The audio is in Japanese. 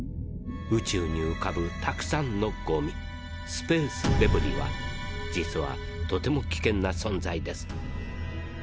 宇宙に浮かぶたくさんのゴミスペースデブリは実はとても危険な存在です。